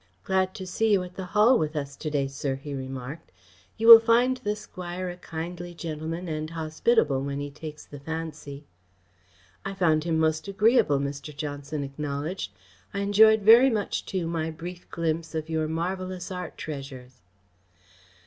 "Glad to see you at the Hall with us to day, sir," he remarked. "You will find the Squire a kindly gentleman and hospitable when he takes the fancy." "I found him most agreeable," Mr. Johnson acknowledged. "I enjoyed very much, too, my brief glimpse of your marvellous art treasures."